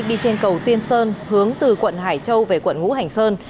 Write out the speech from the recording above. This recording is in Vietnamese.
đi trên cầu tiên sơn hướng từ quận hải châu về quận ngũ hành sơn